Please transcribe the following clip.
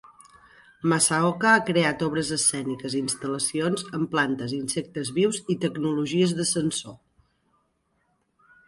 Masaoka ha creat obres escèniques i instal·lacions amb plantes, insectes vius i tecnologies de sensor.